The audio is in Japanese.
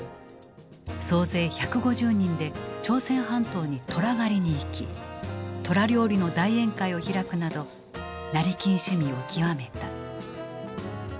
総勢１５０人で朝鮮半島に虎狩りに行き虎料理の大宴会を開くなど成金趣味を極めた。